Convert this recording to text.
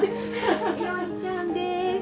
いおりちゃんです。